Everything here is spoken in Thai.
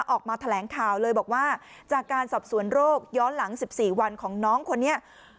ออกมาแถลงข่าวเลยบอกว่าจากการสอบสวนโรคย้อนหลัง๑๔วันของน้องคนนี้